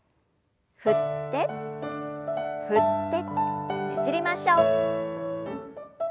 振って振ってねじりましょう。